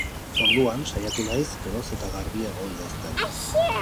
Orduan saiatu naiz geroz eta garbiago idazten.